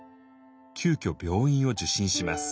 急きょ病院を受診します。